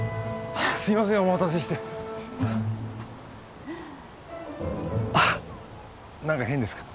すいませんお待たせしてあっ何か変ですか？